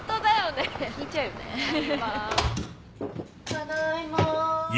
ただいま。